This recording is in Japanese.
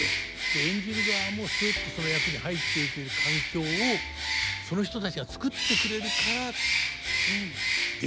演じる側もすっとその役に入っていける環境をその人たちが作ってくれるからできるんですよね。